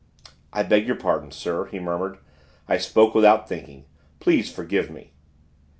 "I beg your pardon, sir," he murmured. "I spoke without thinking; please forgive me."